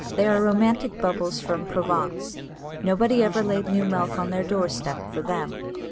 They are romantic bubbles from Provence. Nobody ever laid new milk on their doorstep for them.